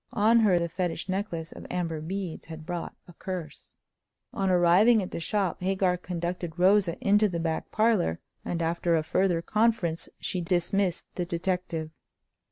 On her the fetish necklace of amber beads had brought a curse. On arriving at the shop Hagar conducted Rosa into the back parlor; and after a further conference she dismissed the detective.